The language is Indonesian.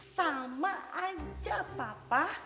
sama aja papa